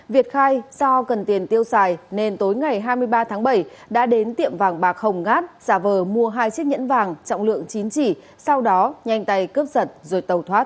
việt khai do cần tiền tiêu xài nên tối ngày hai mươi ba tháng bảy đã đến tiệm vàng bạc hồng gát giả vờ mua hai chiếc nhẫn vàng trọng lượng chín chỉ sau đó nhanh tay cướp giật rồi tàu thoát